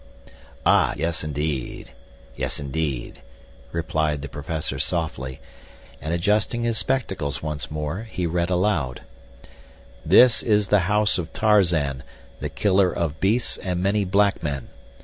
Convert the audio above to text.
"Ah, yes indeed, yes indeed," replied the professor softly, and adjusting his spectacles once more he read aloud: THIS IS THE HOUSE OF TARZAN, THE KILLER OF BEASTS AND MANY BLACK MEN.